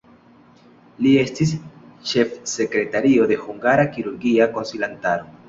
Li estis ĉefsekretario de Hungara Kirurgia Konsilantaro.